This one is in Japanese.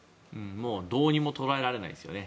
もうどうにも捉えられないです。